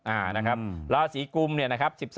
อ่านะครับราศีกุมเนี่ยนะครับ